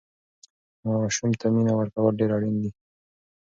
ماسوم ته مینه ورکول ډېر اړین دي.